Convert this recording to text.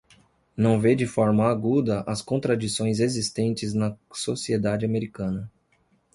não vê de forma aguda as contradições existentes na sociedade americana